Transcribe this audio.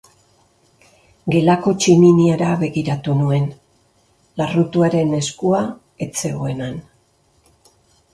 Gelako tximiniara begiratu nuen, larrutuaren eskua ez zegoen han.